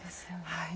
はい。